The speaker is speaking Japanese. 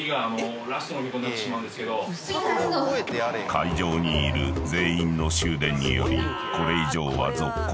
［会場にいる全員の終電によりこれ以上は］